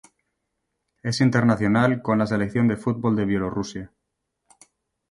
Es internacional con la selección de fútbol de Bielorrusia.